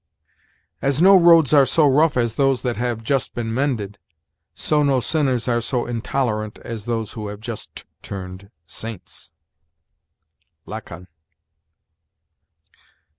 "As no roads are so rough as those that have just been mended, so no sinners are so intolerant as those who have just turned saints." "Lacon."